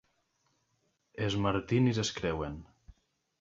Els Martinis es creuen.